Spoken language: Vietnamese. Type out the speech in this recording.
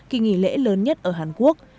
kỳ nghỉ lễ lớn nhất ở hàn quốc